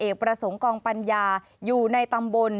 ประสงค์กองปัญญาอยู่ในตำบล